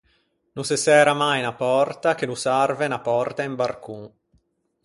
No se særa mai unna pòrta che no s’arve unna pòrta e un barcon.